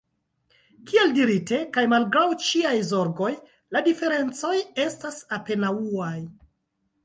Kiel dirite, kaj malgraŭ ĉiaj zorgoj, la diferencoj estas apenaŭaj.